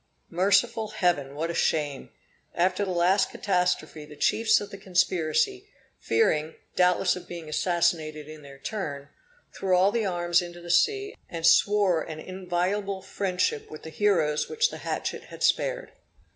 Merciful Heaven! what shame! After the last catastrophe, the chiefs of the conspiracy, fearing, doubtless of being assassinated in their turn, threw all the arms into the sea, and swore an inviolable friendship with the heroes which the hatchet had spared.